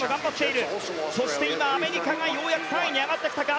そして、今、アメリカがようやく３位に上がってきたか。